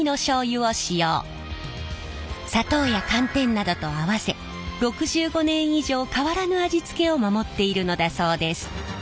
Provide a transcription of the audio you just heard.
砂糖や寒天などと合わせ６５年以上変らぬ味付けを守っているのだそうです。